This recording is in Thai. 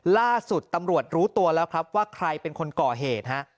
ล่าสุดตำรวจรู้ตัวแล้วครับว่าใครเป็นคนก่อเหตุฮะ